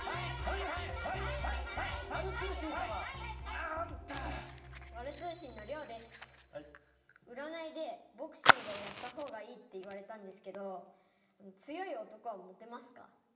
うらないでボクシングをやった方がいいって言われたんですけど強い男はモテますか？